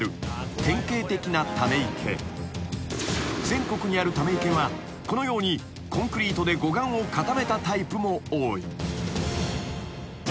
［全国にあるため池はこのようにコンクリートで護岸を固めたタイプも多い］